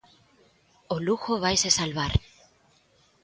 O Lugo vaise salvar.